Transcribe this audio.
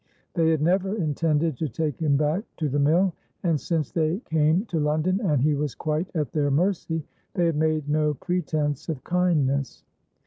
They had never intended to take him back to the mill, and, since they came to London and he was quite at their mercy, they had made no pretence of kindness.